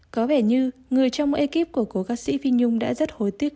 có vẻ như người trong ekip của cố ca sĩ phi nhung đã rất hối tiếc